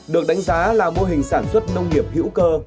được đánh giá là mô hình sản xuất nông nghiệp hữu cơ